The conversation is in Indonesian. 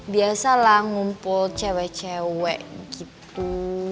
biasalah ngumpul cewek cewek gitu